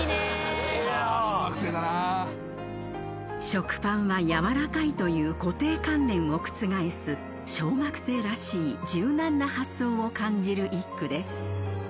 ［食パンはやわらかいという固定観念を覆す小学生らしい柔軟な発想を感じる一句です］